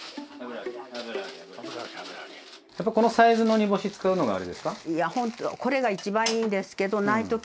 やっぱこのサイズの煮干し使うのがあれですか？